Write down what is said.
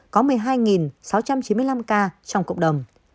có một mươi hai sáu trăm chín mươi năm ca trong cộng đồng